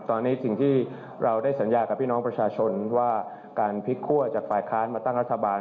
ตอนนี้สิ่งที่เราได้สัญญากับพี่น้องประชาชนว่าการพลิกคั่วจากฝ่ายค้านมาตั้งรัฐบาล